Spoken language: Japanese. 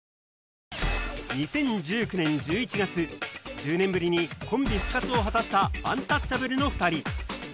１０年ぶりにコンビ復活を果たしたアンタッチャブルの２人